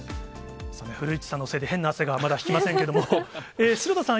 古市さんのせいで、変な汗がまだ引きませんけれども、城田さん